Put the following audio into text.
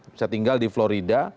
bisa tinggal di florida